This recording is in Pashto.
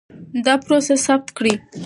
دا پروسه ثبت کېږي.